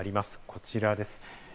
こちらです。